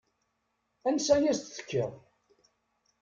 Ansa i as-d-tekkiḍ.